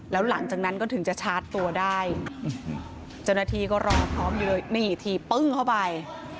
แล้วหลังจากนั้นก็ถึงจะชาร์จตัวได้เจ้าหน้าที่ก็รอพร้อมอยู่เลยนี่ถีบปึ้งเข้าไป